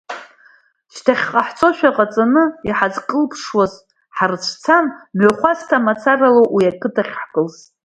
Шьҭахьҟа ҳцозшәа ҟаҵаны, иҳазкылԥшуаз ҳрыцәцан, мҩахәасҭала мацара, уи ақыҭахь ҳкылсит.